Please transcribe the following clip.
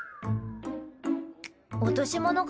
落とし物か？